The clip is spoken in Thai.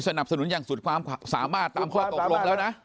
สนับสนุนอย่างสุดความสามารถตามข้อตกลงแล้วนะ